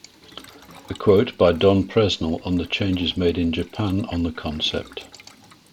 A quote by Don Presnell on the changes made in Japan on the concept.